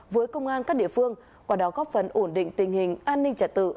với công an các địa phương quả đó góp phần ổn định tình hình an ninh trả tự